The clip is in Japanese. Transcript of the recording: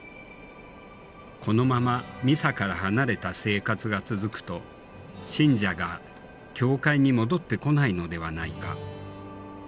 このままミサから離れた生活が続くと信者が教会に戻ってこないのではないか。